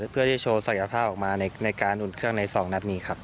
เพื่อที่โชว์ศักยภาพออกมาในการอุ่นเครื่องใน๒นัดนี้ครับ